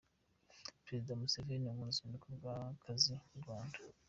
Perezida museveni mu ruzinduko rw’akazi mu Rwanda